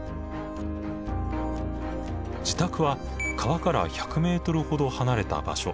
自宅は川から１００ｍほど離れた場所。